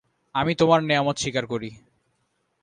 আমি তোমার নেয়ামত স্বীকার করি।